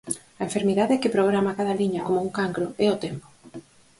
A enfermidade que programa cada liña como un cancro, é o tempo.